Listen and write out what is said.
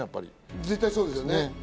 絶対そうですね。